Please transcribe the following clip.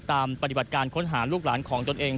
จากการเฝ้าติดตามปฏิบัติการค้นหาลูกหลานของตนเอง